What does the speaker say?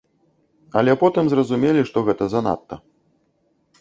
Але потым зразумелі, што гэта занадта.